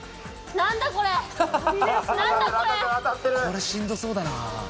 「これしんどそうだな」